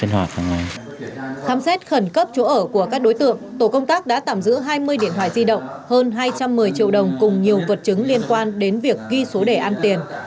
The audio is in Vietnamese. hơn hai trăm một mươi triệu đồng cùng nhiều vật chứng liên quan đến việc ghi số đề an tiền